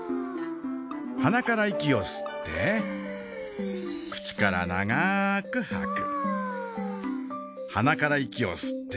鼻から息を吸って口から長くはく。